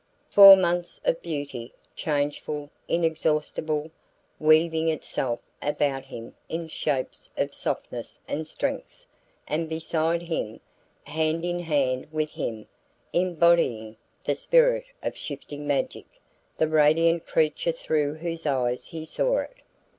Four months of beauty, changeful, inexhaustible, weaving itself about him in shapes of softness and strength; and beside him, hand in hand with him, embodying that spirit of shifting magic, the radiant creature through whose eyes he saw it.